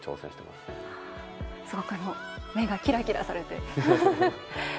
すごく目がキラキラされて。